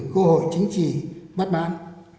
cơ hội chính trị bắt bán